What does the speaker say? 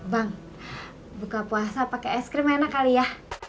bang buka puasa pakai es krim enak kali ya